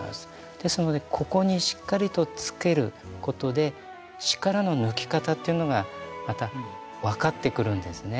ですのでここにしっかりとつけることで力の抜き方というのがまた分かってくるんですね。